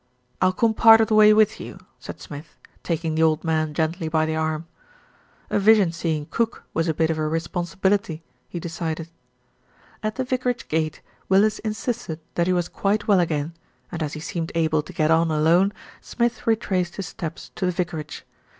"I'll come part of the way with you," said Smith, taking the old man gently by the arm. A vision seeing cook was a bit of a responsibility, he decided. At the vicarage gate, Willis insisted that he was quite well again, and as he seemed able to get on alone, Smith retraced his steps to the vicarage.